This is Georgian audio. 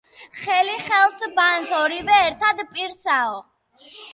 ხელი ხელს ბანს, ორივე ერთად − პირსაო.